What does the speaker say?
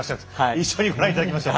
一緒にご覧いただきましょう。